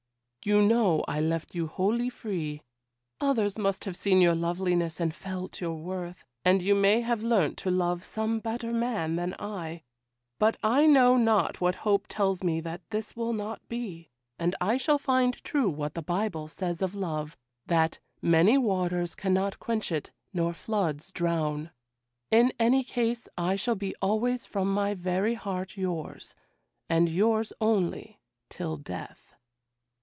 'You know I left you wholly free: others must have seen your loveliness and felt your worth, and you may have learnt to love some better man than I; but I know not what hope tells me that this will not be, and I shall find true what the Bible says of love, that "many waters cannot quench it, nor floods drown." In any case I shall be always from my very heart yours, and yours only, till death.